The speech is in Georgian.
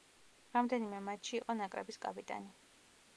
რამდენიმე მატჩში იყო ნაკრების კაპიტანი.